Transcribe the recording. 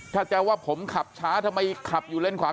ถ้าจะว่าผมขับช้าทำไมขับอยู่เลนขวา